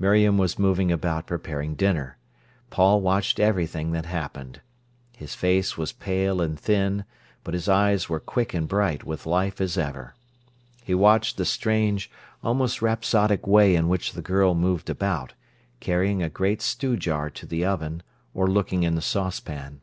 Miriam was moving about preparing dinner. Paul watched everything that happened. His face was pale and thin, but his eyes were quick and bright with life as ever. He watched the strange, almost rhapsodic way in which the girl moved about, carrying a great stew jar to the oven, or looking in the saucepan.